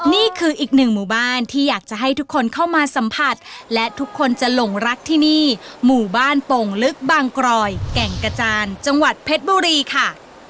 นี่คืออีกหนึ่งหมู่บ้านที่อยากจะให้ทุกคนเข้ามาสัมผัสและทุกคนจะหลงรักที่นี่หมู่บ้านโป่งลึกบางกรอยแก่งกระจานจังหวัดเพชรบุรีค่ะ